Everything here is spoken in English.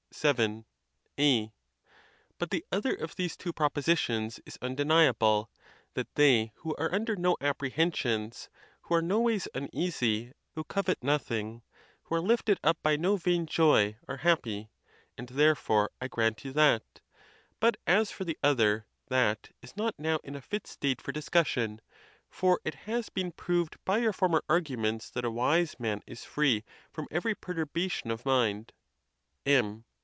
_ VII. A. But the other of these two propositions is unde niable, that they who are under no apprehensions, who are 170 THE TUSCULAN DISPUTATIONS. noways uneasy, who covet nothing, who are lifted up by no vain joy, are happy: and therefore I grant you that. But as for the other, that is not now in a fit state for dis cussion; for it has been proved by your former arguments that a wise man is free from every perturbation of mind. M.